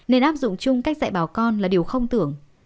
nên áp dụng chung cách dạy bảo con là điều không tưởng